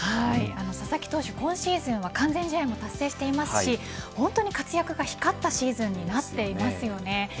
佐々木投手、今シーズンは完全試合も達成していますし本当に活躍が光ったシーズンになっていますよね。